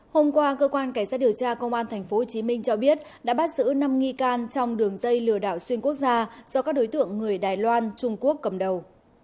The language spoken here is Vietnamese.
hôm qua cơ quan cảnh sát điều tra công an tp hcm cho biết đã bắt giữ năm nghi can trong đường dây lừa đảo xuyên quốc gia do các đối tượng người đài loan trung quốc cầm đầu